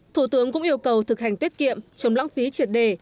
thủ tướng cũng yêu cầu thực hành tiết kiệm chống lãng phí triệt đề